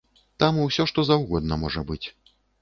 Там усё што заўгодна можа быць.